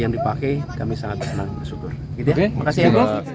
yang dipakai kami sangat senang bersyukur itu ya makasih ya